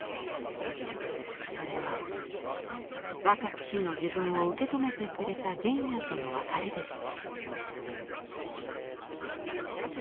それは若き日の自分を受け止めてくれた原野との別れでした。